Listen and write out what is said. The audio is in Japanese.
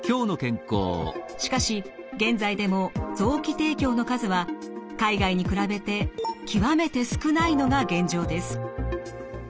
しかし現在でも臓器提供の数は海外に比べて極めて少ないのが現状です。